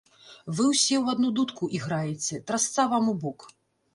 Вы ўсе ў адну дудку іграеце, трасца вам у бок!